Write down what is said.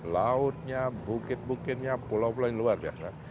lautnya bukit bukitnya pulau pulau ini luar biasa